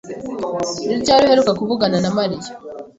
Ni ryari uheruka kuvugana na Mariya?